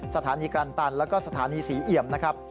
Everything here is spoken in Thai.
สถานีกลางตันแล้วก็สถานีศรีเอี่ยมนะครับ